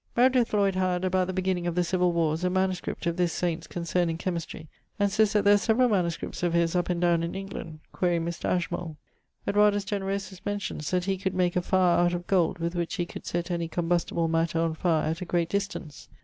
Meredith Lloyd had, about the beginning of the civill warres, a MS. of this Saint's concerning chymistrey, and sayes that there are severall MSS. of his up and downe in England: quaere Mr. Ashmole. Edwardus Generosus mentions that he could make a fire out of gold, with which he could sett any combustible matter on fire at a great distance.